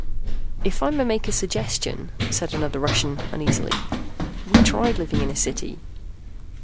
"If I may make a suggestion," said another Russian uneasily. "We tried living in a city.